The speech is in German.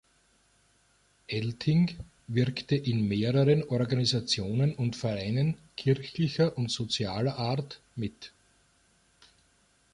Elting wirkte in mehreren Organisationen und Vereinen kirchlicher und sozialer Art mit.